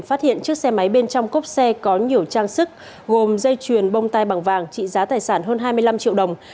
phát hiện chiếc xe máy bên trong cốc xe có nhiều trang sức gồm dây chuyền bông tai bằng vàng trị giá tài sản hơn hai mươi năm triệu đồng